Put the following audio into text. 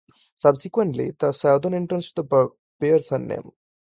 Subsequently, the southern entrance to the park bears her name.